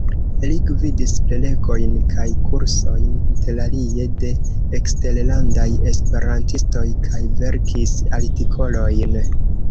Li gvidis prelegojn kaj kursojn, interalie de eksterlandaj esperantistoj, kaj verkis artikolojn.